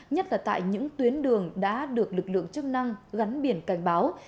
nhất là tại những tuyến đường đã được lực lượng chức năng gắn biển cảnh báo